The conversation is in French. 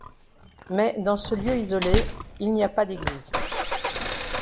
Mais, dans ce lieu isolé, il n'y a pas d'église.